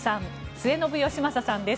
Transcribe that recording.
末延吉正さんです。